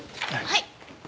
はい。